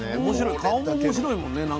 顔も面白いもんねなんか。